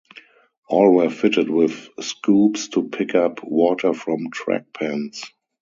All were fitted with scoops to pick up water from track pans.